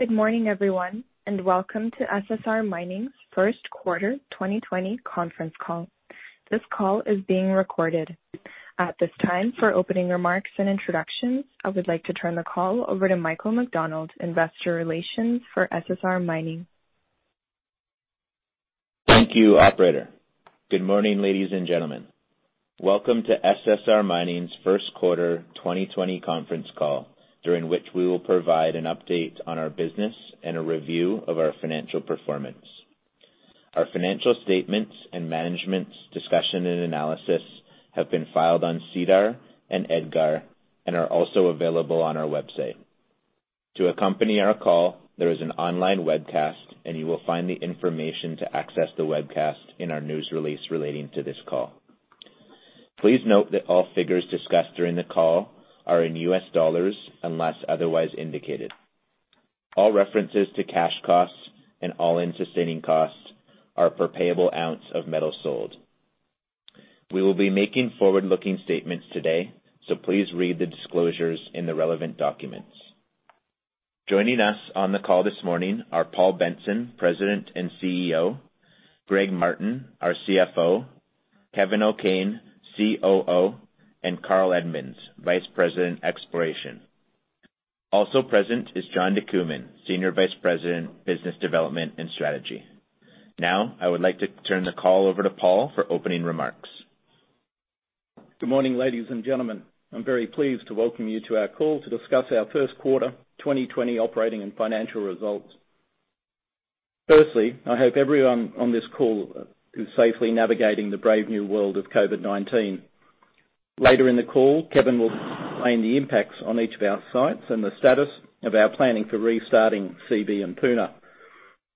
Good morning, everyone, and welcome to SSR Mining's first quarter 2020 conference call. This call is being recorded. At this time, for opening remarks and introductions, I would like to turn the call over to Michael McDonald, investor relations for SSR Mining. Thank you, operator. Good morning, ladies and gentlemen. Welcome to SSR Mining's first quarter 2020 conference call, during which we will provide an update on our business and a review of our financial performance. Our financial statements and management's discussion and analysis have been filed on SEDAR and EDGAR and are also available on our website. To accompany our call, there is an online webcast, and you will find the information to access the webcast in our news release relating to this call. Please note that all figures discussed during the call are in US dollars, unless otherwise indicated. All references to cash costs and all-in sustaining costs are per payable ounce of metal sold. We will be making forward-looking statements today, so please read the disclosures in the relevant documents. Joining us on the call this morning are Paul Benson, President and CEO, Greg Martin, our CFO, Kevin O'Kane, COO, and Carl Edmunds, Vice President, Exploration. Also present is John DeCooman, Senior Vice President, Business Development and Strategy. I would like to turn the call over to Paul for opening remarks. Good morning, ladies and gentlemen. I'm very pleased to welcome you to our call to discuss our first quarter 2020 operating and financial results. Firstly, I hope everyone on this call is safely navigating the brave new world of COVID-19. Later in the call, Kevin will explain the impacts on each of our sites and the status of our planning for restarting Seabee and Puna.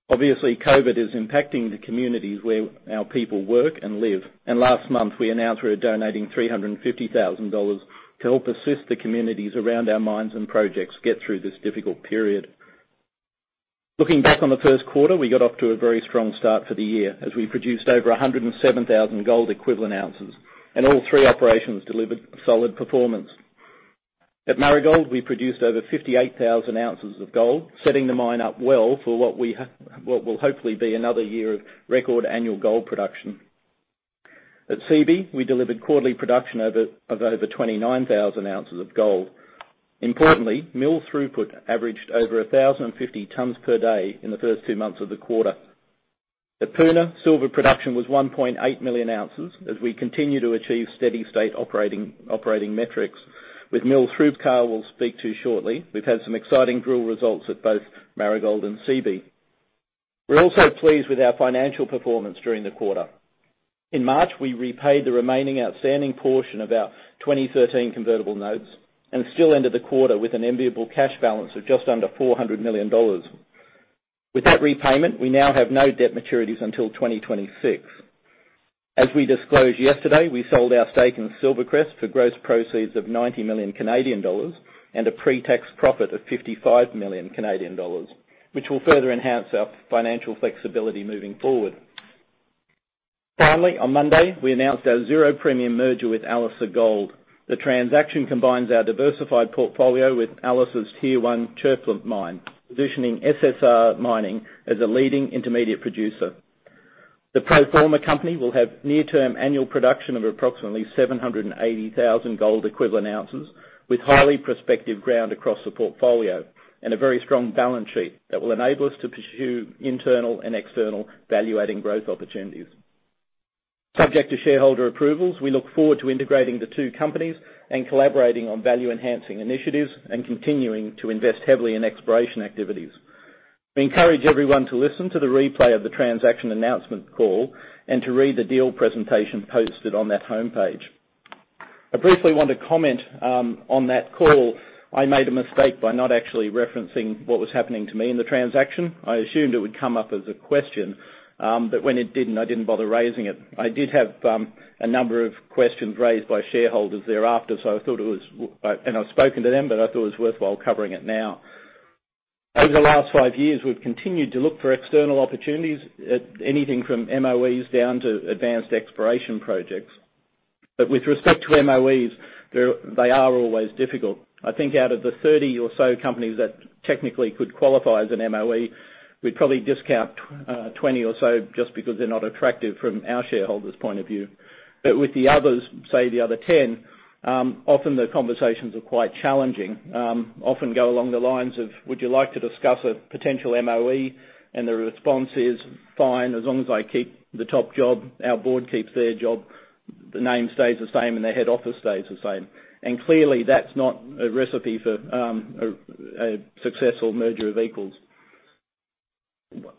Obviously, COVID is impacting the communities where our people work and live, and last month, we announced we're donating $350,000 to help assist the communities around our mines and projects get through this difficult period. Looking back on the first quarter, we got off to a very strong start for the year as we produced over 107,000 gold equivalent ounces, and all three operations delivered solid performance. At Marigold, we produced over 58,000 ounces of gold, setting the mine up well for what will hopefully be another year of record annual gold production. At Seabee, we delivered quarterly production of over 29,000 ounces of gold. Importantly, mill throughput averaged over 1,050 tons per day in the first two months of the quarter. At Puna, silver production was 1.8 million ounces as we continue to achieve steady state operating metrics with mill throughput. Carl will speak to shortly. We've had some exciting drill results at both Marigold and Seabee. We're also pleased with our financial performance during the quarter. In March, we repaid the remaining outstanding portion of our 2013 convertible notes and still ended the quarter with an enviable cash balance of just under $400 million. With that repayment, we now have no debt maturities until 2026. As we disclosed yesterday, we sold our stake in SilverCrest for gross proceeds of 90 million Canadian dollars, and a pre-tax profit of 55 million Canadian dollars, which will further enhance our financial flexibility moving forward. On Monday, we announced our zero-premium merger with Alacer Gold. The transaction combines our diversified portfolio with Alacer's Tier 1 Chirripó Mine, positioning SSR Mining as a leading intermediate producer. The pro forma company will have near-term annual production of approximately 780,000 gold equivalent ounces, with highly prospective ground across the portfolio and a very strong balance sheet that will enable us to pursue internal and external value-adding growth opportunities. Subject to shareholder approvals, we look forward to integrating the two companies and collaborating on value-enhancing initiatives and continuing to invest heavily in exploration activities. We encourage everyone to listen to the replay of the transaction announcement call and to read the deal presentation posted on that homepage. I briefly want to comment on that call. I made a mistake by not actually referencing what was happening to me in the transaction. I assumed it would come up as a question, but when it didn't, I didn't bother raising it. I did have a number of questions raised by shareholders thereafter, and I've spoken to them, but I thought it was worthwhile covering it now. Over the last five years, we've continued to look for external opportunities at anything from MOEs down to advanced exploration projects. With respect to MOEs, they are always difficult. I think out of the 30 or so companies that technically could qualify as an MOE, we'd probably discount 20 or so just because they're not attractive from our shareholders' point of view. With the others, say the other 10, often the conversations are quite challenging. Often go along the lines of, "Would you like to discuss a potential MOE?" The response is, "Fine, as long as I keep the top job, our board keeps their job, the name stays the same, and the head office stays the same." Clearly, that's not a recipe for a successful merger of equals.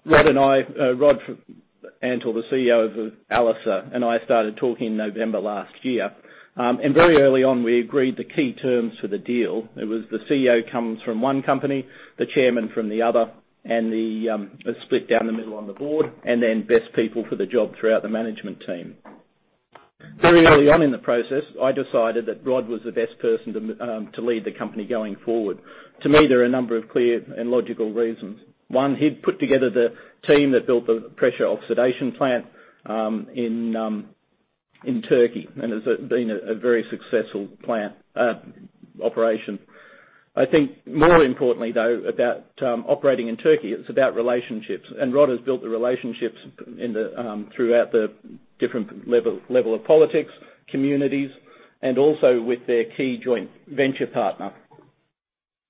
Rod Antal, the CEO of Alacer, and I started talking November last year. Very early on, we agreed the key terms for the deal. It was the CEO comes from one company, the chairman from the other, a split down the middle on the board, best people for the job throughout the management team. Very early on in the process, I decided that Rod was the best person to lead the company going forward. To me, there are a number of clear and logical reasons. One, he'd put together the team that built the pressure oxidation plant in Turkey, and has been a very successful plant operation. I think more importantly, though, about operating in Turkey, it's about relationships. Rod has built the relationships throughout the different level of politics, communities, and also with their key joint venture partner.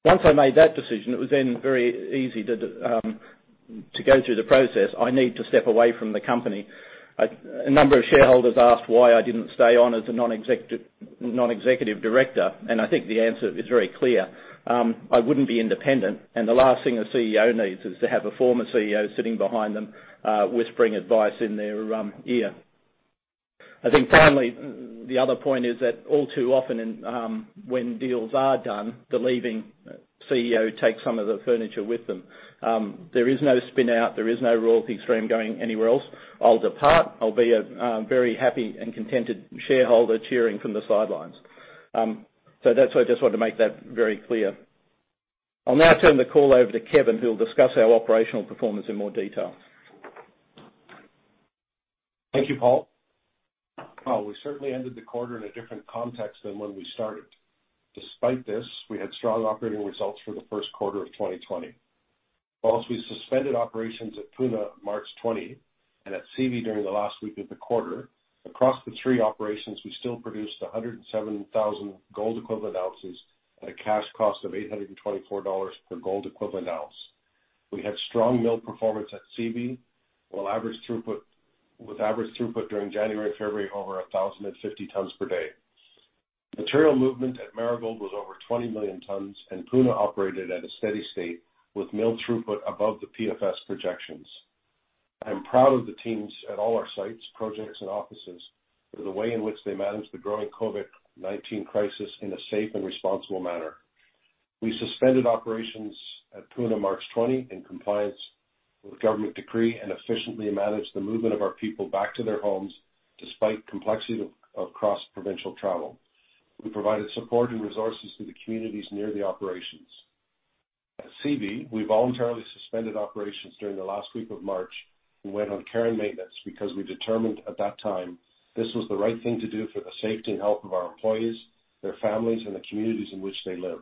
Once I made that decision, it was then very easy to go through the process. I need to step away from the company. A number of shareholders asked why I didn't stay on as a non-executive director, and I think the answer is very clear. I wouldn't be independent, and the last thing a CEO needs is to have a former CEO sitting behind them, whispering advice in their ear. I think finally, the other point is that all too often when deals are done, the leaving CEO takes some of the furniture with them. There is no spin-out. There is no royalty stream going anywhere else. I'll depart. I'll be a very happy and contented shareholder cheering from the sidelines. That's why I just wanted to make that very clear. I'll now turn the call over to Kevin, who will discuss our operational performance in more detail. Thank you, Paul. Well, we certainly ended the quarter in a different context than when we started. Despite this, we had strong operating results for the first quarter of 2020. Whilst we suspended operations at Puna March 20, and at Seabee during the last week of the quarter, across the three operations, we still produced 107,000 gold equivalent ounces at a cash cost of $824 per gold equivalent ounce. We had strong mill performance at Seabee, with average throughput during January, February, over 1,050 tons per day. Material movement at Marigold was over 20 million tons, and Puna operated at a steady state with mill throughput above the PFS projections. I'm proud of the teams at all our sites, projects and offices for the way in which they managed the growing COVID-19 crisis in a safe and responsible manner. We suspended operations at Puna March 20 in compliance with government decree and efficiently managed the movement of our people back to their homes despite complexity of cross-provincial travel. We provided support and resources to the communities near the operations. At Seabee, we voluntarily suspended operations during the last week of March and went on care and maintenance because we determined at that time this was the right thing to do for the safety and health of our employees, their families, and the communities in which they live.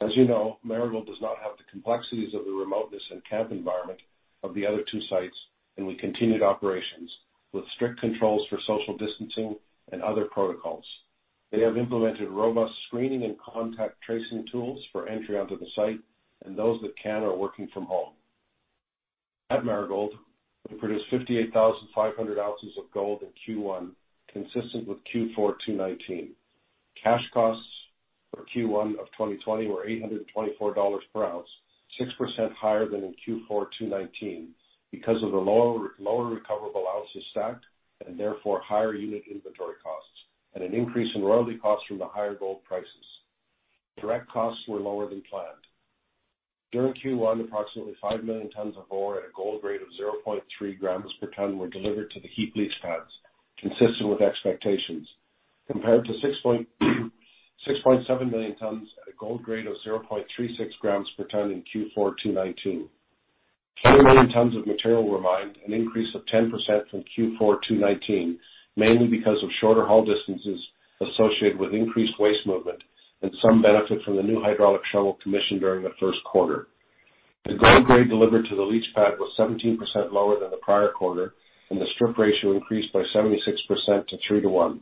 As you know, Marigold does not have the complexities of the remoteness and camp environment of the other two sites, and we continued operations with strict controls for social distancing and other protocols. They have implemented robust screening and contact tracing tools for entry onto the site, and those that can are working from home. At Marigold, we produced 58,500 ounces of gold in Q1, consistent with Q4 2019. Cash costs for Q1 of 2020 were $824 per ounce, 6% higher than in Q4 2019 because of the lower recoverable ounces stacked and therefore higher unit inventory costs, and an increase in royalty costs from the higher gold prices. Direct costs were lower than planned. During Q1, approximately five million tons of ore at a gold rate of 0.3 grams per ton were delivered to the heap leach pads, consistent with expectations, compared to 6.7 million tons at a gold grade of 0.36 grams per ton in Q4 2019. 10 million tons of material were mined, an increase of 10% from Q4 2019, mainly because of shorter haul distances associated with increased waste movement and some benefit from the new hydraulic shovel commissioned during the first quarter. The gold grade delivered to the leach pad was 17% lower than the prior quarter, and the strip ratio increased by 76% to 3 to 1.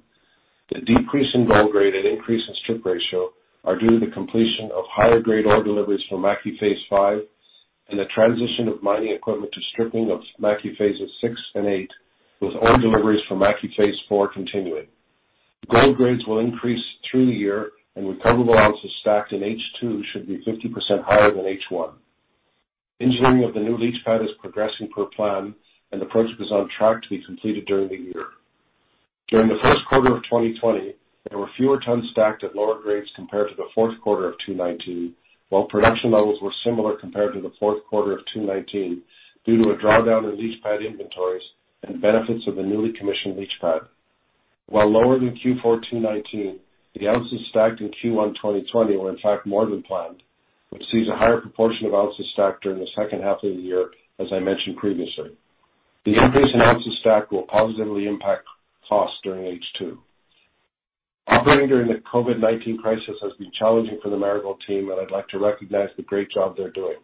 The decrease in gold grade and increase in strip ratio are due to the completion of higher grade ore deliveries from Mackay Phase 5 and the transition of mining equipment to stripping of Mackay Phases 6 and 8, with ore deliveries from Mackay Phase 4 continuing. Gold grades will increase through the year, and recoverable ounces stacked in H2 should be 50% higher than H1. Engineering of the new leach pad is progressing per plan, and the project is on track to be completed during the year. During the first quarter of 2020, there were fewer tons stacked at lower grades compared to the fourth quarter of 2019, while production levels were similar compared to the fourth quarter of 2019 due to a drawdown in leach pad inventories and benefits of the newly commissioned leach pad. While lower than Q4 2019, the ounces stacked in Q1 2020 were in fact more than planned, which sees a higher proportion of ounces stacked during the second half of the year, as I mentioned previously. The increase in ounces stacked will positively impact costs during H2. Operating during the COVID-19 crisis has been challenging for the Marigold team, and I'd like to recognize the great job they're doing.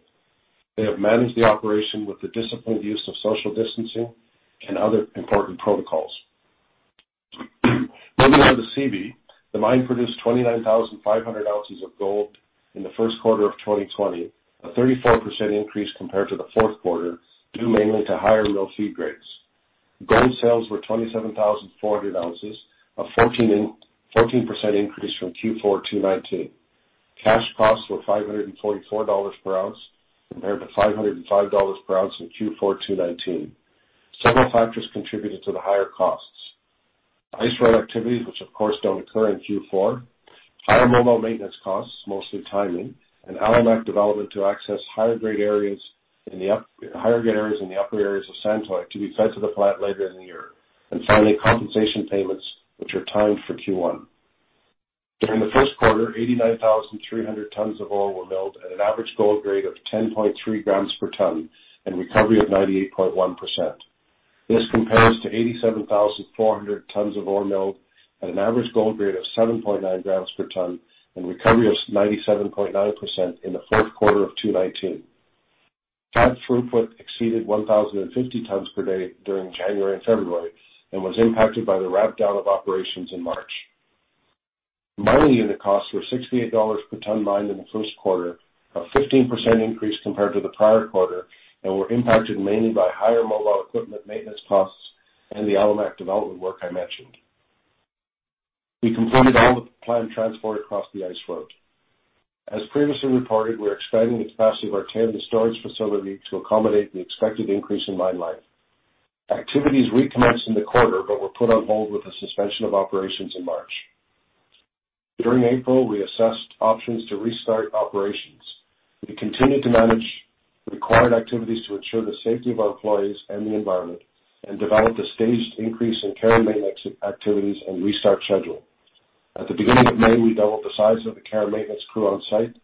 They have managed the operation with the disciplined use of social distancing and other important protocols. Moving on to Seabee, the mine produced 29,500 ounces of gold in the first quarter of 2020, a 34% increase compared to the fourth quarter, due mainly to higher mill feed grades. Gold sales were 27,400 ounces, a 14% increase from Q4 2019. Cash costs were $544 per ounce compared to $505 per ounce in Q4 2019. Several factors contributed to the higher costs. Ice road activities, which of course don't occur in Q4. Higher mobile maintenance costs, mostly timing, and Alimak development to access higher-grade areas in the upper areas of Santoy to be fed to the plant later in the year. Finally, compensation payments, which are timed for Q1. During the first quarter, 89,300 tons of ore were milled at an average gold grade of 10.3 grams per ton and recovery of 98.1%. This compares to 87,400 tons of ore milled at an average gold grade of 7.9 grams per ton and recovery of 97.9% in the fourth quarter of 2019. That throughput exceeded 1,050 tons per day during January and February and was impacted by the ramp down of operations in March. Mining unit costs were $68 per ton mined in the first quarter, a 15% increase compared to the prior quarter, and were impacted mainly by higher mobile equipment maintenance costs and the Alimak development work I mentioned. We completed all the planned transport across the ice road. As previously reported, we're expanding the capacity of our tailings storage facility to accommodate the expected increase in mine life. Activities recommenced in the quarter but were put on hold with the suspension of operations in March. During April, we assessed options to restart operations. We continued to manage required activities to ensure the safety of our employees and the environment, and developed a staged increase in care and maintenance activities and restart schedule. At the beginning of May, we doubled the size of the care and maintenance crew on site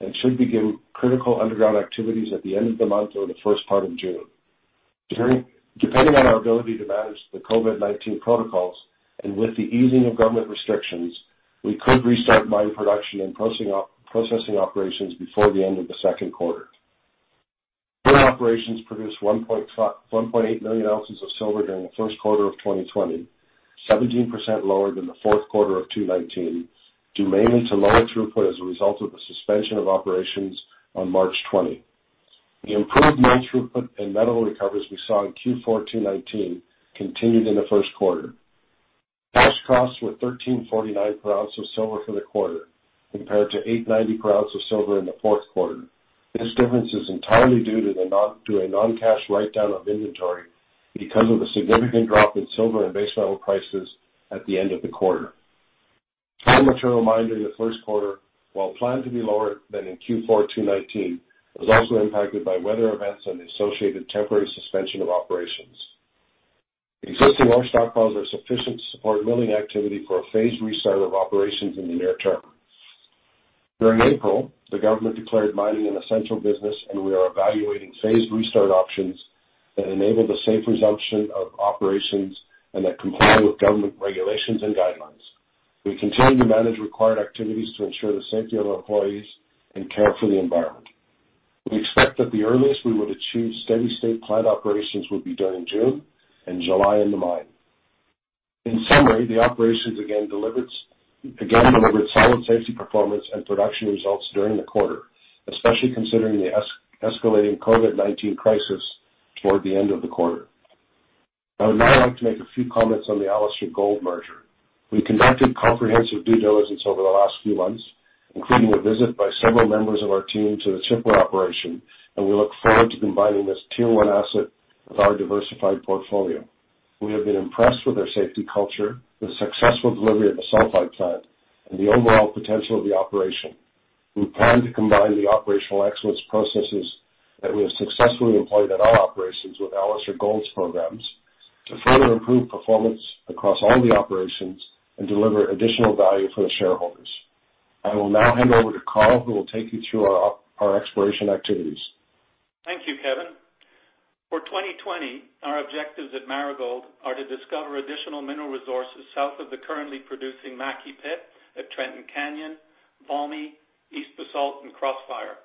and should begin critical underground activities at the end of the month or the first part of June. Depending on our ability to manage the COVID-19 protocols, and with the easing of government restrictions, we could restart mine production and processing operations before the end of the second quarter. Mine operations produced 1.8 million ounces of silver during the first quarter of 2020, 17% lower than the fourth quarter of 2019, due mainly to lower throughput as a result of the suspension of operations on March 20. The improved mine throughput and metal recoveries we saw in Q4 2019 continued in the first quarter. Cash costs were $13.49 per ounce of silver for the quarter, compared to $8.90 per ounce of silver in the fourth quarter. This difference is entirely due to a non-cash write-down of inventory because of the significant drop in silver and base metal prices at the end of the quarter. Ore material mined during the first quarter, while planned to be lower than in Q4 2019, was also impacted by weather events and the associated temporary suspension of operations. Existing ore stockpiles are sufficient to support milling activity for a phased restart of operations in the near term. During April, the government declared mining an essential business, and we are evaluating phased restart options that enable the safe resumption of operations and that comply with government regulations and guidelines. We continue to manage required activities to ensure the safety of our employees and care for the environment. We expect that the earliest we would achieve steady state plant operations would be during June and July in the mine. In summary, the operations again delivered solid safety performance and production results during the quarter, especially considering the escalating COVID-19 crisis toward the end of the quarter. I would now like to make a few comments on the Alacer Gold merger. We conducted comprehensive due diligence over the last few months, including a visit by several members of our team to the Çöpler operation, and we look forward to combining this tier-1 asset with our diversified portfolio. We have been impressed with their safety culture, the successful delivery of the sulfide plant, and the overall potential of the operation. We plan to combine the operational excellence processes that we have successfully employed at our operations with Alacer Gold's programs to further improve performance across all the operations and deliver additional value for the shareholders. I will now hand over to Carl, who will take you through our exploration activities. Thank you, Kevin. For 2020, our objectives at Marigold are to discover additional mineral resources south of the currently producing Mackay Pit at Trenton Canyon, Valmy, East Basalt, and Crossfire.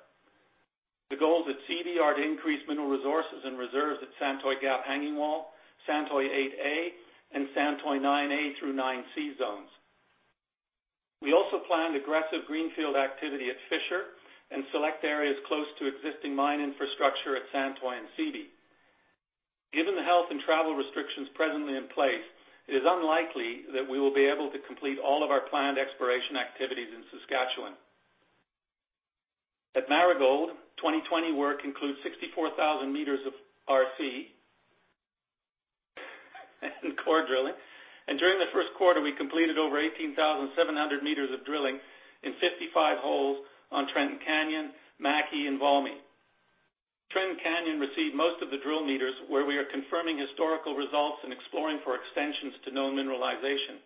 The goals at Seabee are to increase mineral resources and reserves at Santoy Gap Hanging Wall, Santoy 8A, and Santoy 9A through 9C zones. We also planned aggressive greenfield activity at Fisher and select areas close to existing mine infrastructure at Santoy and Seabee. Given the health and travel restrictions presently in place, it is unlikely that we will be able to complete all of our planned exploration activities in Saskatchewan. At Marigold, 2020 work includes 64,000 meters of RC and core drilling, and during the first quarter, we completed over 18,700 meters of drilling in 55 holes on Trenton Canyon, Mackay, and Valmy. Trenton Canyon received most of the drill meters, where we are confirming historical results and exploring for extensions to known mineralization.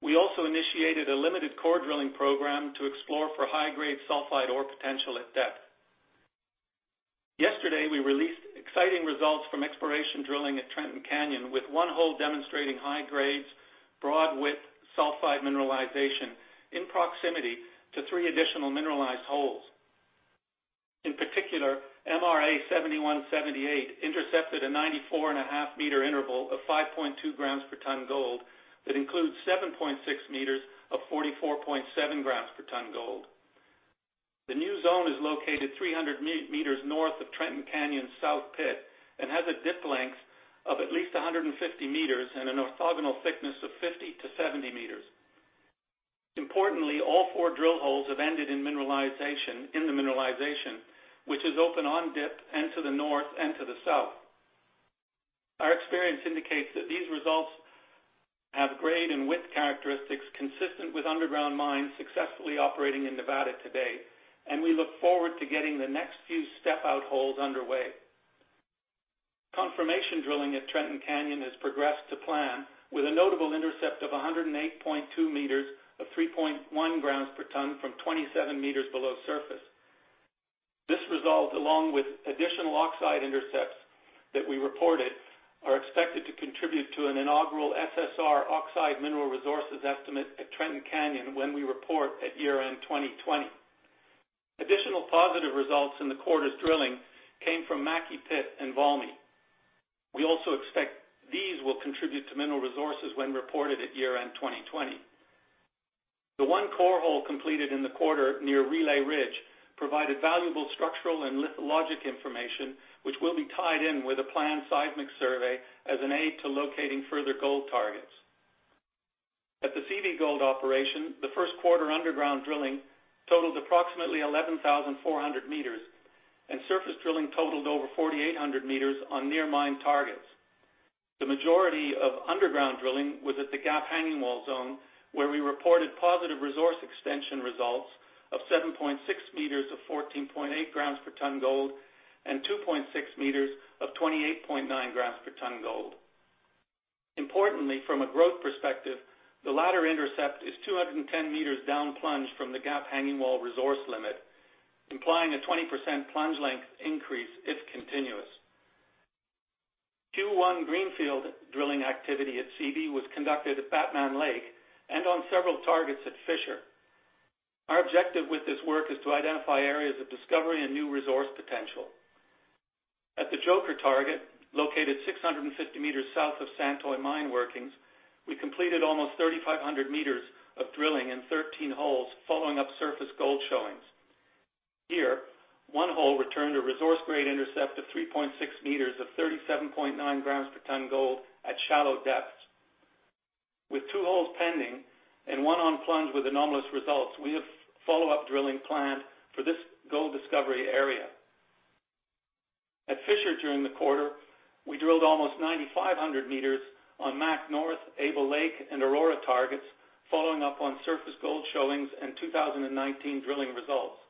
We also initiated a limited core drilling program to explore for high-grade sulfide ore potential at depth. Yesterday, we released exciting results from exploration drilling at Trenton Canyon, with one hole demonstrating high grades, broad width sulfide mineralization in proximity to three additional mineralized holes. In particular, MRA7178 intercepted a 94.5-meter interval of 5.2 grams per ton gold. That includes 7.6 meters of 44.7 grams per ton gold. The new zone is located 300 meters north of Trenton Canyon's south pit and has a dip length of at least 150 meters and an orthogonal thickness of 50-70 meters. Importantly, all four drill holes have ended in the mineralization, which is open on dip and to the north and to the south. Our experience indicates that these results have grade and width characteristics consistent with underground mines successfully operating in Nevada today. We look forward to getting the next few step-out holes underway. Confirmation drilling at Trenton Canyon has progressed to plan with a notable intercept of 108.2 meters of 3.1 grams per ton from 27 meters below surface. This result, along with additional oxide intercepts that we reported, are expected to contribute to an inaugural SSR oxide mineral resources estimate at Trenton Canyon when we report at year-end 2020. Additional positive results in the quarter's drilling came from Mackay Pit and Valmy. We also expect these will contribute to mineral resources when reported at year-end 2020. The one core hole completed in the quarter near Relay Ridge provided valuable structural and lithologic information which will be tied in with a planned seismic survey as an aid to locating further gold targets. At the Seabee gold operation, the first quarter underground drilling totaled approximately 11,400 meters, and surface drilling totaled over 4,800 meters on near mine targets. The majority of underground drilling was at the Gap Hanging Wall Zone, where we reported positive resource extension results of 7.6 meters of 14.8 grams per ton gold and 2.6 meters of 28.9 grams per ton gold. Importantly, from a growth perspective, the latter intercept is 210 meters down plunge from the Gap Hanging Wall resource limit, implying a 20% plunge length increase if continuous. Q1 greenfield drilling activity at Seabee was conducted at Batman Lake and on several targets at Fisher. Our objective with this work is to identify areas of discovery and new resource potential. At the Joker target, located 650 meters south of Santoy mine workings, we completed almost 3,500 meters of drilling in 13 holes following up surface gold showings. Here, one hole returned a resource grade intercept of 3.6 meters of 37.9 grams per ton gold at shallow depths. With two holes pending and one on plunge with anomalous results, we have follow-up drilling planned for this gold discovery area. At Fisher during the quarter, we drilled almost 9,500 meters on Mac North, Able Lake, and Aurora targets, following up on surface gold showings and 2019 drilling results.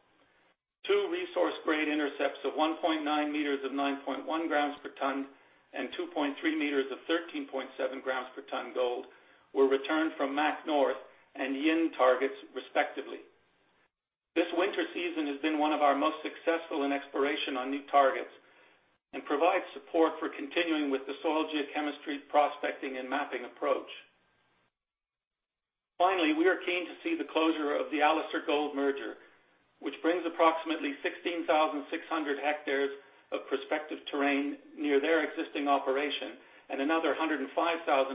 Two resource grade intercepts of 1.9 meters of 9.1 grams per ton and 2.3 meters of 13.7 grams per ton gold were returned from Mac North and Yin targets respectively. This winter season has been one of our most successful in exploration on new targets and provides support for continuing with the soil geochemistry prospecting and mapping approach. Finally, we are keen to see the closure of the Alacer Gold merger, which brings approximately 16,600 hectares of prospective terrain near their existing operation and another 105,000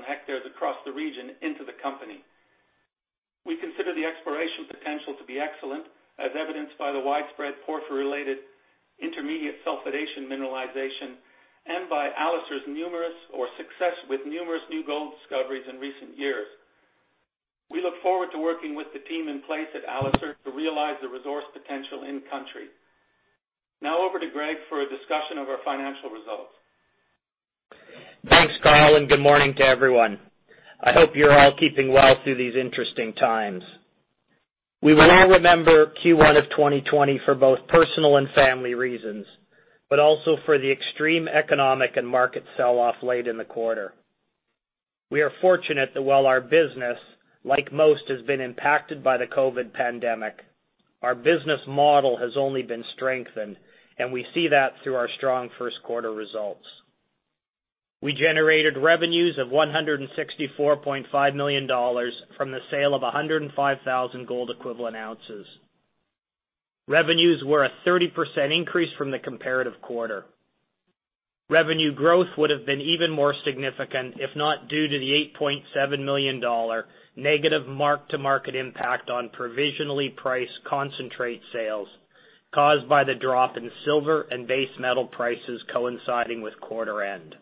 hectares across the region into the company. We consider the exploration potential to be excellent, as evidenced by the widespread porphyry-related intermediate sulfidation mineralization and by Alacer's success with numerous new gold discoveries in recent years. We look forward to working with the team in place at Alacer to realize the resource potential in country. Over to Greg for a discussion of our financial results. Thanks, Carl, and good morning to everyone. I hope you're all keeping well through these interesting times. We will all remember Q1 of 2020 for both personal and family reasons, but also for the extreme economic and market sell-off late in the quarter. We are fortunate that while our business, like most, has been impacted by the COVID-19 pandemic, our business model has only been strengthened, and we see that through our strong first quarter results. We generated revenues of $164.5 million from the sale of 105,000 gold equivalent ounces. Revenues were a 30% increase from the comparative quarter. Revenue growth would have been even more significant if not due to the $8.7 million negative mark-to-market impact on provisionally priced concentrate sales caused by the drop in silver and base metal prices coinciding with quarter end.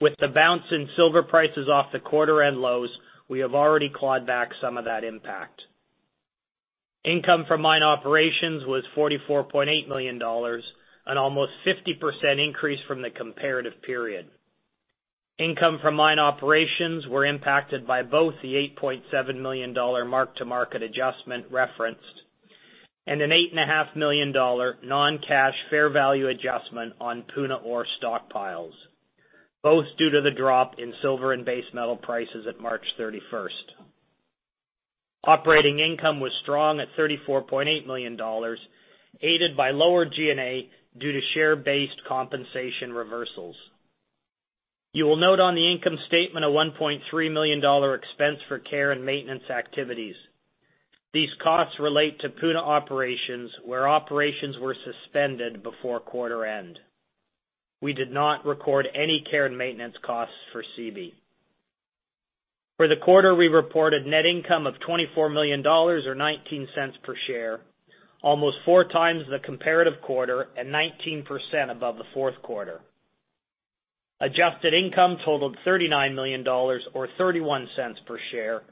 With the bounce in silver prices off the quarter end lows, we have already clawed back some of that impact. Income from mine operations was $44.8 million, an almost 50% increase from the comparative period. Income from mine operations were impacted by both the $8.7 million mark-to-market adjustment referenced and an $8.5 million non-cash fair value adjustment on Puna ore stockpiles, both due to the drop in silver and base metal prices at March 31st. Operating income was strong at $34.8 million, aided by lower G&A due to share-based compensation reversals. You will note on the income statement a $1.3 million expense for care and maintenance activities. These costs relate to Puna operations, where operations were suspended before quarter end. We did not record any care and maintenance costs for Seabee. For the quarter, we reported net income of $24 million or $0.19 per share, almost four times the comparative quarter and 19% above the fourth quarter. Adjusted income totaled $39 million or $0.31 per share,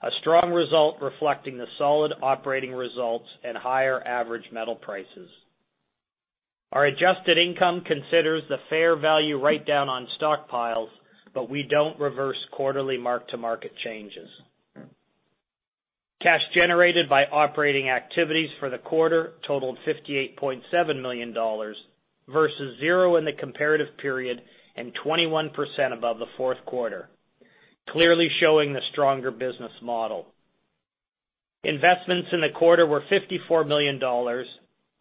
a strong result reflecting the solid operating results and higher average metal prices. Our adjusted income considers the fair value write-down on stockpiles, we don't reverse quarterly mark-to-market changes. Cash generated by operating activities for the quarter totaled $58.7 million versus zero in the comparative period and 21% above the fourth quarter, clearly showing the stronger business model. Investments in the quarter were $54 million,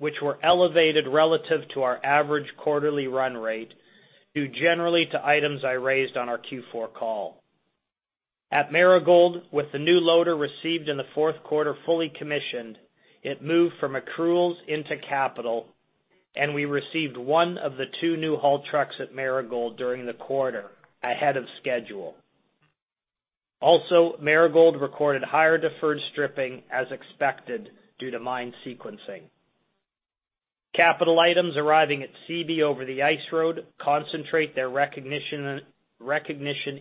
which were elevated relative to our average quarterly run rate due generally to items I raised on our Q4 call. At Marigold, with the new loader received in the fourth quarter fully commissioned, it moved from accruals into capital, and we received one of the two new haul trucks at Marigold during the quarter ahead of schedule. Also, Marigold recorded higher deferred stripping as expected due to mine sequencing. Capital items arriving at Seabee over the ice road concentrate their recognition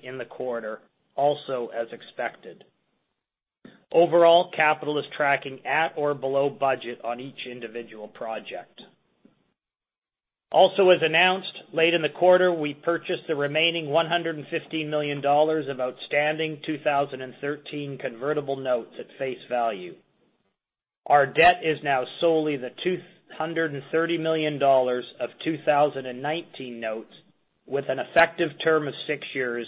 in the quarter, also as expected. Overall, capital is tracking at or below budget on each individual project. Also, as announced, late in the quarter, we purchased the remaining $115 million of outstanding 2013 convertible notes at face value. Our debt is now solely the $230 million of 2019 notes with an effective term of six years,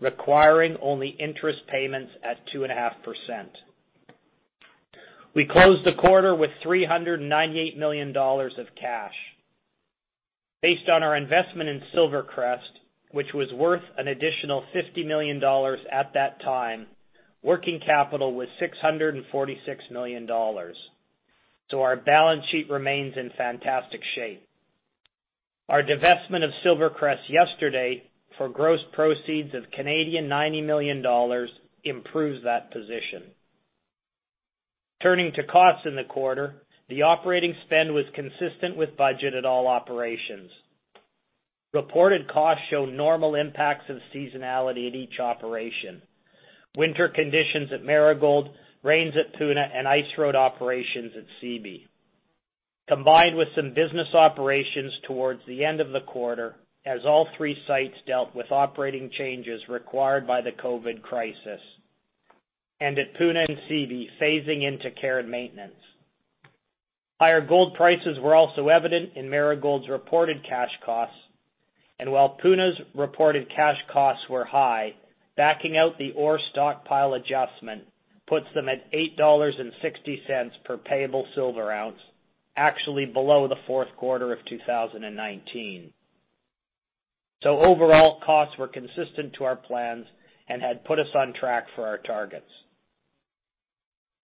requiring only interest payments at 2.5%. We closed the quarter with $398 million of cash. Based on our investment in SilverCrest, which was worth an additional $50 million at that time, working capital was $646 million. Our balance sheet remains in fantastic shape. Our divestment of SilverCrest yesterday, for gross proceeds of 90 million Canadian dollars, improves that position. Turning to costs in the quarter, the operating spend was consistent with budget at all operations. Reported costs show normal impacts of seasonality at each operation. Winter conditions at Marigold, rains at Puna, and ice road operations at Seabee. Combined with some business operations towards the end of the quarter, as all three sites dealt with operating changes required by the COVID crisis, and at Puna and Seabee, phasing into care and maintenance. Higher gold prices were also evident in Marigold's reported cash costs. While Puna's reported cash costs were high, backing out the ore stockpile adjustment puts them at $8.60 per payable silver ounce, actually below the fourth quarter of 2019. Overall, costs were consistent to our plans and had put us on track for our targets.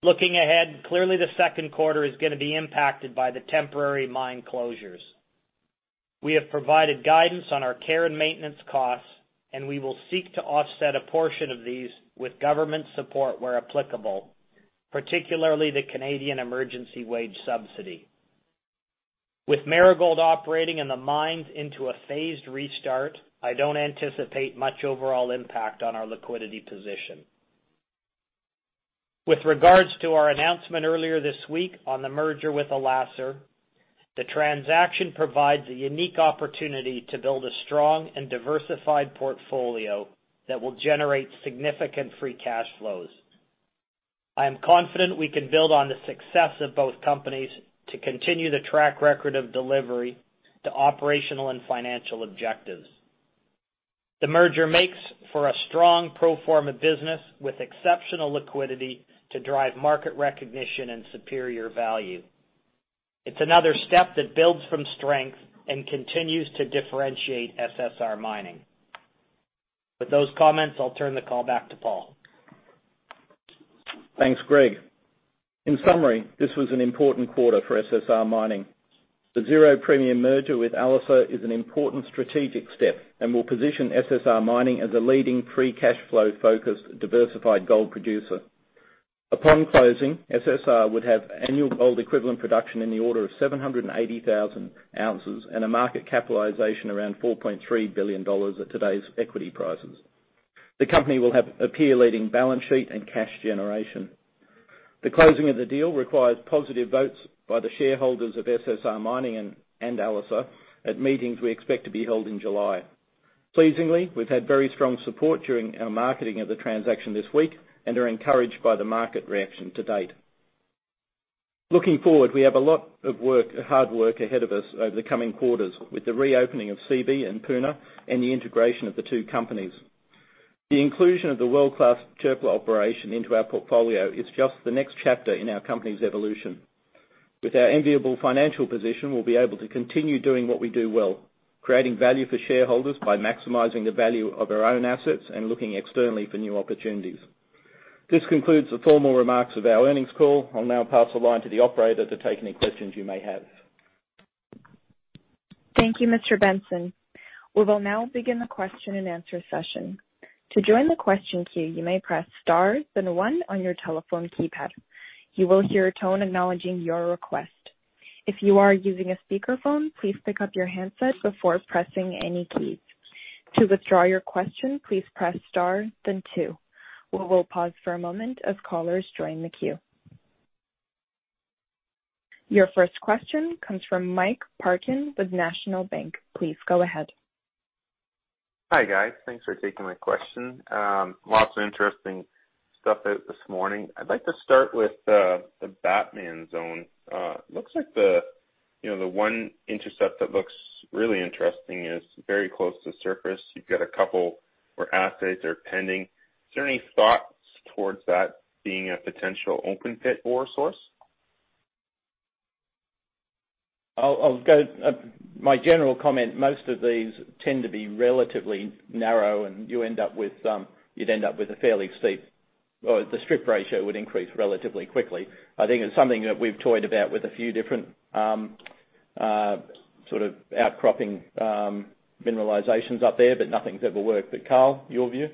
Looking ahead, clearly the second quarter is going to be impacted by the temporary mine closures. We have provided guidance on our care and maintenance costs, and we will seek to offset a portion of these with government support where applicable, particularly the Canada Emergency Wage Subsidy. With Marigold operating in the mines into a phased restart, I don't anticipate much overall impact on our liquidity position. With regards to our announcement earlier this week on the merger with Alacer, the transaction provides a unique opportunity to build a strong and diversified portfolio that will generate significant free cash flows. I am confident we can build on the success of both companies to continue the track record of delivery to operational and financial objectives. The merger makes for a strong pro forma business with exceptional liquidity to drive market recognition and superior value. It's another step that builds from strength and continues to differentiate SSR Mining. With those comments, I'll turn the call back to Paul. Thanks, Greg. In summary, this was an important quarter for SSR Mining. The zero premium merger with Alacer is an important strategic step and will position SSR Mining as a leading free cash flow-focused, diversified gold producer. Upon closing, SSR would have annual gold equivalent production in the order of 780,000 ounces and a market capitalization around $4.3 billion at today's equity prices. The company will have a peer-leading balance sheet and cash generation. The closing of the deal requires positive votes by the shareholders of SSR Mining and Alacer at meetings we expect to be held in July. Pleasingly, we've had very strong support during our marketing of the transaction this week and are encouraged by the market reaction to date. Looking forward, we have a lot of hard work ahead of us over the coming quarters with the reopening of Seabee and Puna and the integration of the two companies. The inclusion of the world-class Çöpler operation into our portfolio is just the next chapter in our company's evolution. With our enviable financial position, we'll be able to continue doing what we do well, creating value for shareholders by maximizing the value of our own assets and looking externally for new opportunities. This concludes the formal remarks of our earnings call. I'll now pass the line to the operator to take any questions you may have. Thank you, Mr. Benson. We will now begin the question-and-answer session. To join the question queue, you may press star then one on your telephone keypad. You will hear a tone acknowledging your request. If you are using a speakerphone, please pick up your handset before pressing any keys. To withdraw your question, please press star then two. We will pause for a moment as callers join the queue. Your first question comes from Mike Parkin with National Bank Financial. Please go ahead. Hi, guys. Thanks for taking my question. Lots of interesting stuff out this morning. I'd like to start with the Batman Zone. Looks like the one intercept that looks really interesting is very close to the surface. You've got a couple where assays are pending. Is there any thoughts towards that being a potential open-pit ore source? My general comment, most of these tend to be relatively narrow, and you'd end up with a fairly steep, well the strip ratio would increase relatively quickly. I think it's something that we've toyed about with a few different sort of outcropping mineralizations up there, but nothing's ever worked. Carl, your view?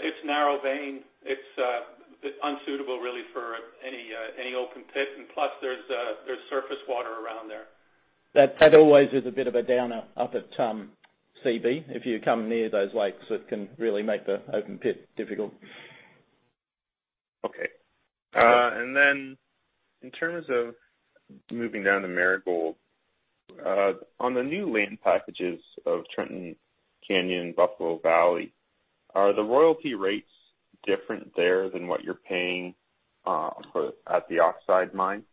It's narrow vein. It's unsuitable really for any open pit, and plus there's surface water around there. That always is a bit of a downer up at Seabee. If you come near those lakes, it can really make the open pit difficult. Okay. Then in terms of moving down to Marigold, on the new land packages of Trenton Canyon, Buffalo Valley, are the royalty rates different there than what you're paying at the oxide mine?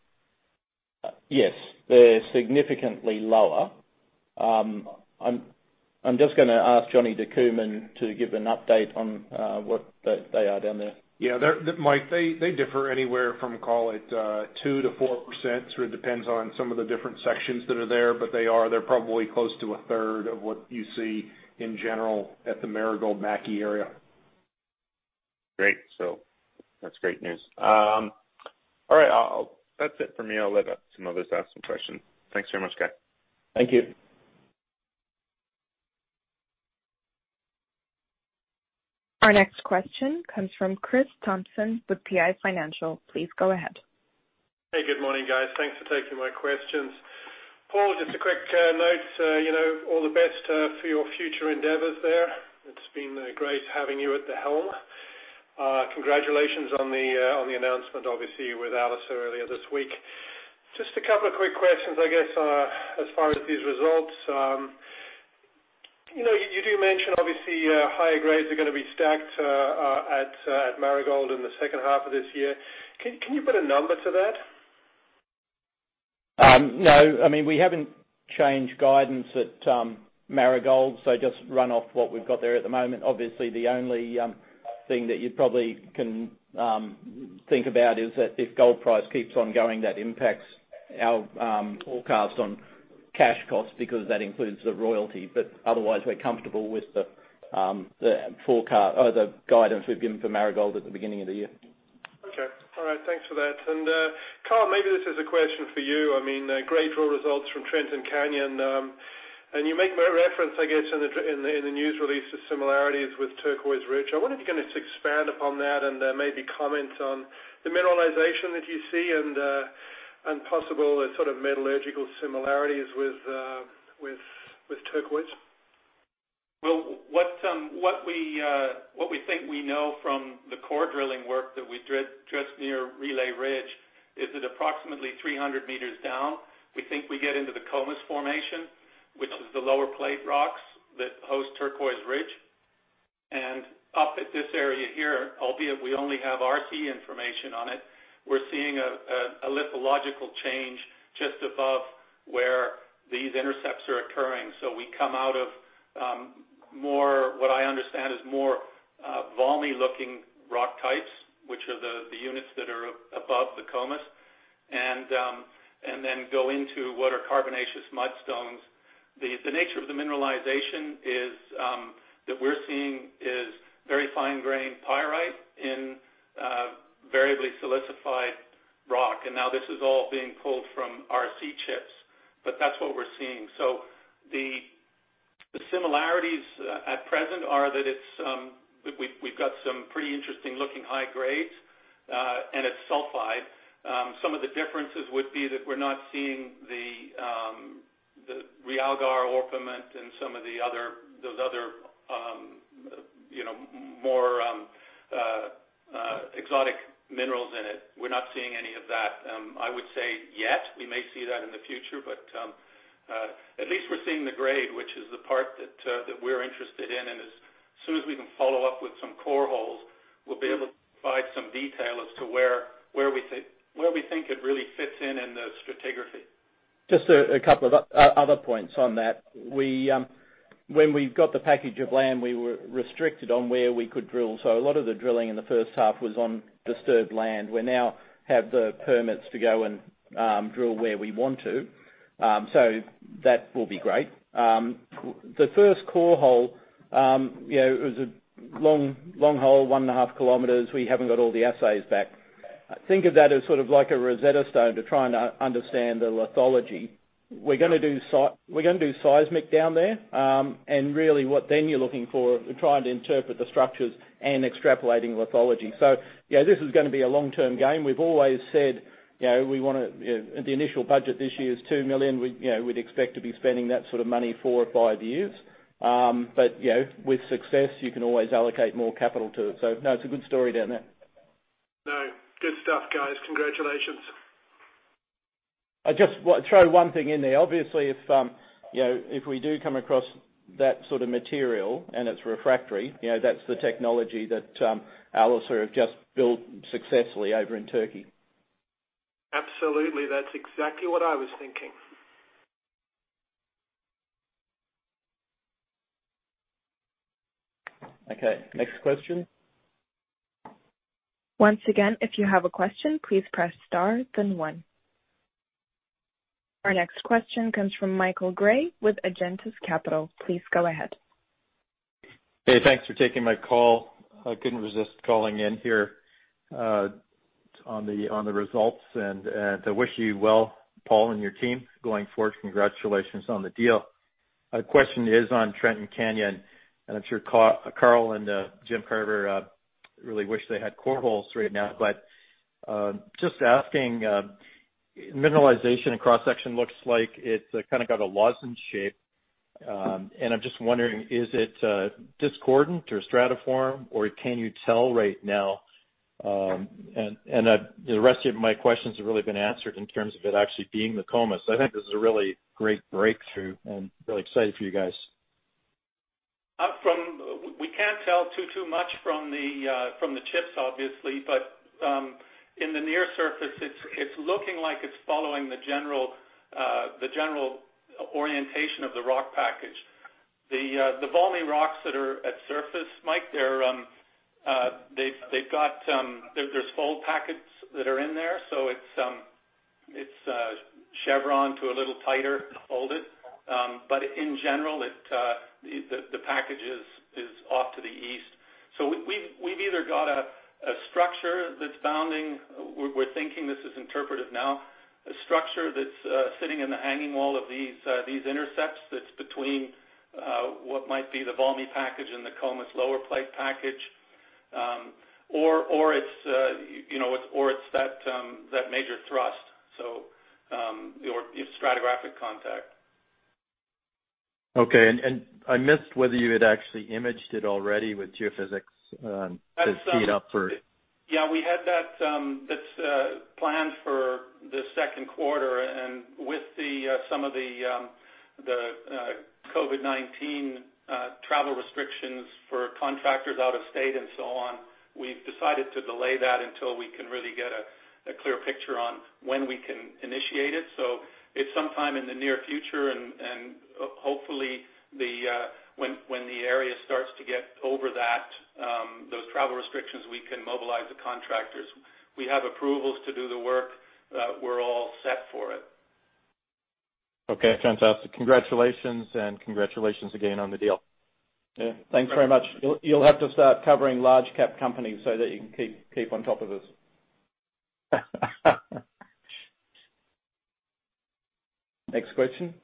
Yes, they're significantly lower. I'm just going to ask Johnny DeCooman to give an update on what they are down there. Mike, they differ anywhere from, call it, 2% to 4%. Sort of depends on some of the different sections that are there. They are. They're probably close to a third of what you see in general at the Marigold-Mackay area. Great. That's great news. All right. That's it for me. I'll let some others ask some questions. Thanks very much, guy. Thank you. Our next question comes from Chris Thompson with PI Financial. Please go ahead. Hey, good morning, guys. Thanks for taking my questions. Paul, just a quick note, all the best for your future endeavors there. It's been great having you at the helm. Congratulations on the announcement, obviously, with Alacer Gold earlier this week. Just a couple of quick questions, I guess, as far as these results. You do mention, obviously, higher grades are going to be stacked at Marigold in the second half of this year. Can you put a number to that? No. We haven't changed guidance at Marigold, so just run off what we've got there at the moment. Obviously, the only thing that you probably can think about is that if gold price keeps on going, that impacts our forecast on cash costs because that includes the royalty. Otherwise, we're comfortable with the guidance we've given for Marigold at the beginning of the year. Okay. All right. Thanks for that. Carl, maybe this is a question for you. Great drill results from Trenton Canyon. You make reference, I guess, in the news release of similarities with Turquoise Ridge. I wonder if you can just expand upon that and maybe comment on the mineralization that you see and possible sort of metallurgical similarities with Turquoise. Well, what we think we know from the core drilling work that we drilled just near Relay Ridge is that approximately 300 meters down, we think we get into the Comus Formation, which is the lower plate rocks that host Turquoise Ridge. Up at this area here, albeit we only have RC information on it, we're seeing a lithological change just above where these intercepts are occurring. We come out of more, what I understand is more Valmy-looking rock types, which are the units that are above the Comus, and then go into what are carbonaceous mudstones. The nature of the mineralization that we're seeing is very fine-grained pyrite in variably silicified rock. Now this is all being pulled from RC chips, that's what we're seeing. The similarities at present are that we've got some pretty interesting-looking high grades, and it's sulfide. Some of the differences would be that we're not seeing the realgar, orpiment, and those other more exotic minerals in it. We're not seeing any of that, I would say, yet. We may see that in the future, but at least we're seeing the grade, which is the part that we're interested in. As soon as we can follow up with some core holes, we'll be able to provide some detail as to where we think it really fits in in the stratigraphy. Just a couple of other points on that. When we got the package of land, we were restricted on where we could drill, so a lot of the drilling in the first half was on disturbed land. We now have the permits to go and drill where we want to. That will be great. The first core hole, it was a long hole, one and a half kilometers. We haven't got all the assays back. Think of that as sort of like a Rosetta Stone to try and understand the lithology. We're going to do seismic down there, and really what then you're looking for, trying to interpret the structures and extrapolating lithology. Yeah, this is going to be a long-term game. We've always said the initial budget this year is $2 million. We'd expect to be spending that sort of money four or five years. With success, you can always allocate more capital to it. No, it's a good story down there. No. Good stuff, guys. Congratulations. I'll just throw one thing in there. Obviously, if we do come across that sort of material and it's refractory, that's the technology that Alacer have just built successfully over in Turkey. Absolutely. That's exactly what I was thinking. Okay, next question. Once again, if you have a question, please press star then one. Our next question comes from Michael Gray with Agentis Capital. Please go ahead. Hey, thanks for taking my call. I couldn't resist calling in here on the results and to wish you well, Paul and your team, going forward. Congratulations on the deal. My question is on Trenton Canyon. I'm sure Carl and Jim Carver really wish they had core holes right now. Just asking, mineralization and cross-section looks like it's got a lozenge shape. I'm just wondering, is it discordant or stratiform, or can you tell right now? The rest of my questions have really been answered in terms of it actually being the Comus. I think this is a really great breakthrough, and I'm really excited for you guys. We can't tell too much from the chips, obviously. In the near surface, it's looking like it's following the general orientation of the rock package. The Valmy-looking rocks that are at surface, Mike, there's fold packets that are in there. It's chevron to a little tighter folded. In general, the package is off to the east. We've either got a structure that's bounding, we're thinking this is interpretive now, a structure that's sitting in the hanging wall of these intercepts that's between what might be the Valmy-looking package and the Comus lower plate package. It's that major thrust, so your stratigraphic contact. Okay. I missed whether you had actually imaged it already with geophysics to speed up. Yeah, we had that planned for the second quarter. With some of the COVID-19 travel restrictions for contractors out of state and so on, we've decided to delay that until we can really get a clear picture on when we can initiate it. It's sometime in the near future, and hopefully, when the area starts to get over those travel restrictions, we can mobilize the contractors. We have approvals to do the work. We're all set for it. Okay. Fantastic. Congratulations, and congratulations again on the deal. Yeah. Thanks very much. You'll have to start covering large cap companies so that you can keep on top of this. Next question.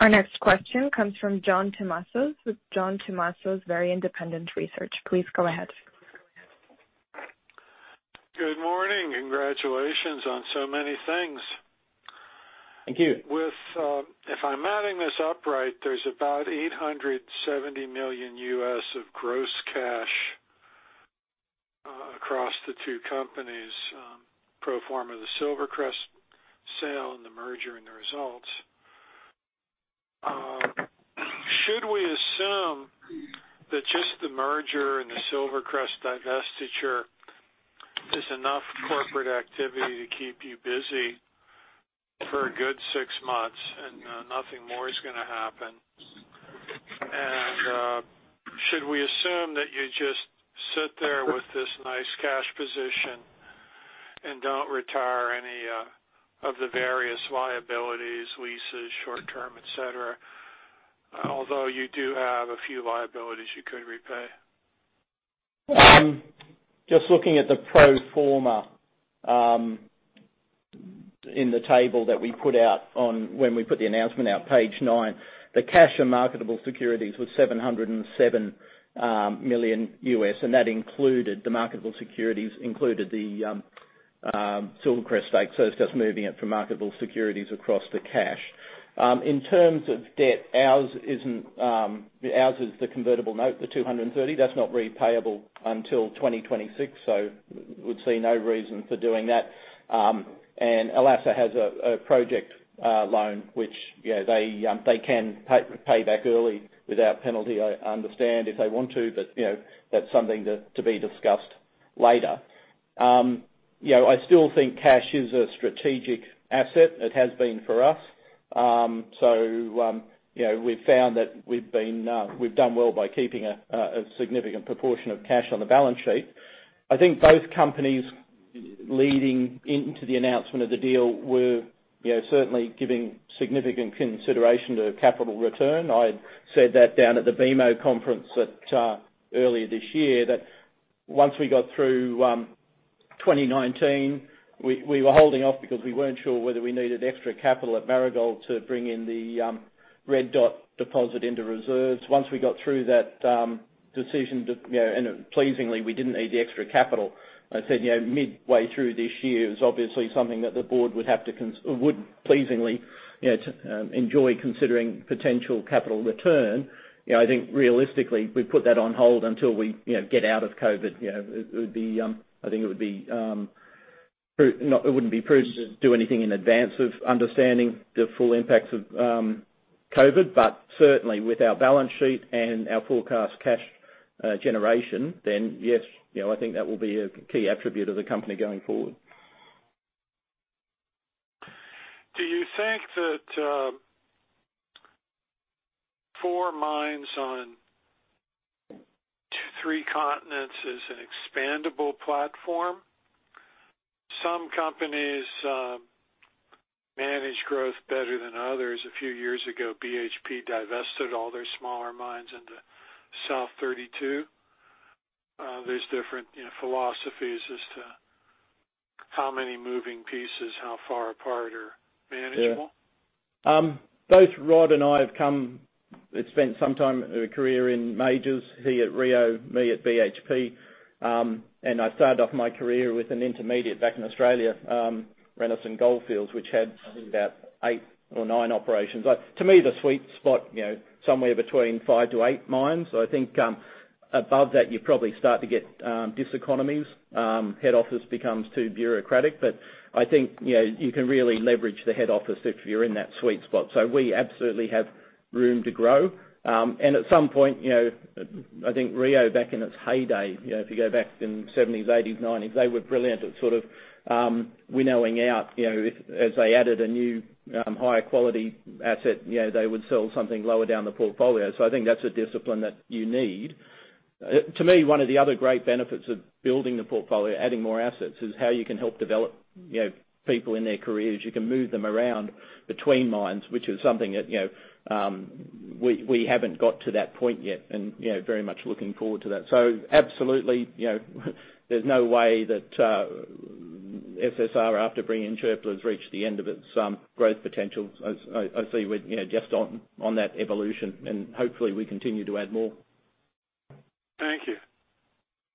Our next question comes from John Tumazos with John Tumazos Very Independent Research. Please go ahead. Good morning. Congratulations on so many things. Thank you. If I'm adding this up right, there's about $870 million of gross cash across the two companies, pro forma the SilverCrest sale and the merger and the results. Should we assume that just the merger and the SilverCrest divestiture is enough corporate activity to keep you busy for a good six months, and nothing more is going to happen? Should we assume that you just sit there with this nice cash position and don't retire any of the various liabilities, leases, short-term, et cetera? Although you do have a few liabilities you could repay. Just looking at the pro forma in the table that we put out when we put the announcement out, page nine. The cash and marketable securities was $707 million. The marketable securities included the SilverCrest stake. It's just moving it from marketable securities across to cash. In terms of debt, ours is the convertible note, the $230. That's not repayable until 2026. Would see no reason for doing that. Alacer has a project loan, which they can pay back early without penalty, I understand, if they want to. That's something to be discussed later. I still think cash is a strategic asset. It has been for us. We've found that we've done well by keeping a significant proportion of cash on the balance sheet. I think both companies leading into the announcement of the deal were certainly giving significant consideration to capital return. I had said that down at the BMO conference earlier this year that once we got through 2019, we were holding off because we weren't sure whether we needed extra capital at Marigold to bring in the Red Dot deposit into reserves. Once we got through that decision, pleasingly, we didn't need the extra capital. I said midway through this year is obviously something that the board would pleasingly enjoy considering potential capital return. I think realistically, we put that on hold until we get out of COVID. I think it wouldn't be prudent to do anything in advance of understanding the full impacts of COVID. Certainly with our balance sheet and our forecast cash generation, yes, I think that will be a key attribute of the company going forward. Do you think that four mines on three continents is an expandable platform? Some companies manage growth better than others. A few years ago, BHP divested all their smaller mines into South32. There is different philosophies as to how many moving pieces, how far apart are manageable. Yeah. Both Rod and I have spent some time, a career in majors, he at Rio, me at BHP. I started off my career with an intermediate back in Australia, Renison Goldfields, which had, I think, about eight or nine operations. To me, the sweet spot, somewhere between five to eight mines. I think above that, you probably start to get diseconomies. Head office becomes too bureaucratic. I think you can really leverage the head office if you're in that sweet spot. We absolutely have room to grow. At some point, I think Rio, back in its heyday, if you go back in '70s, '80s, '90s, they were brilliant at winnowing out. As they added a new higher quality asset, they would sell something lower down the portfolio. I think that's a discipline that you need. To me, one of the other great benefits of building the portfolio, adding more assets, is how you can help develop people in their careers. You can move them around between mines, which is something that we haven't got to that point yet, and very much looking forward to that. Absolutely, there's no way that SSR, after bringing in Çöpler, has reached the end of its growth potential. I see we're just on that evolution, and hopefully we continue to add more. Thank you.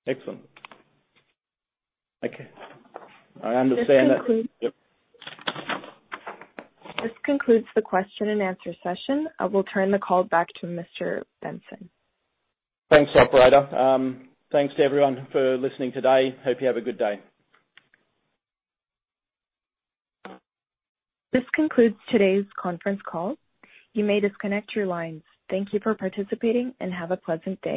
Excellent. Okay. I understand. This concludes. Yep. This concludes the question and answer session. I will turn the call back to Mr. Benson. Thanks, operator. Thanks to everyone for listening today. Hope you have a good day. This concludes today's conference call. You may disconnect your lines. Thank you for participating, and have a pleasant day.